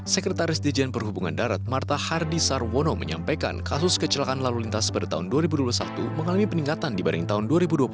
sekretaris dijen perhubungan darat marta hardi sarwono menyampaikan kasus kecelakaan lalu lintas pada tahun dua ribu dua puluh satu mengalami peningkatan dibanding tahun dua ribu dua puluh